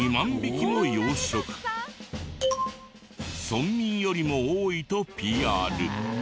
村民よりも多いとＰＲ。